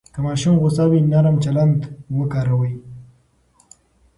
که ماشوم غوسه وي، نرم چلند وکاروئ.